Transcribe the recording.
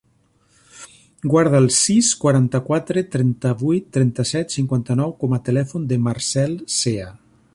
Guarda el sis, quaranta-quatre, trenta-vuit, trenta-set, cinquanta-nou com a telèfon del Marcèl Cea.